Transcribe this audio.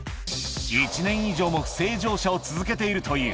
１年以上も不正乗車を続けているという。